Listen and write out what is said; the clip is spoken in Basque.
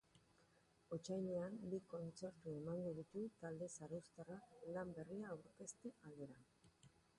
Otsailean bi kontzertu emango ditu talde zarauztarrak lan berria aurkezte aldera.